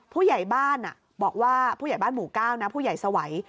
ผู้ใหญ่บ้านบอกว่าผู้ใหญ่บ้านหมู่๙นะผู้ใหญ่สวัย